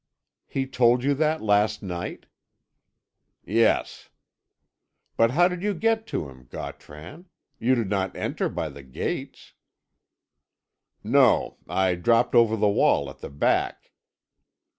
"He told you that last night?" "Yes." "But how did you get to him, Gautran? You did not enter by the gates." "No; I dropped over the wall at the back.